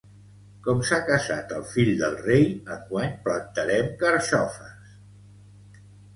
Com s'ha casat el fill del rei, enguany plantarem carxofes.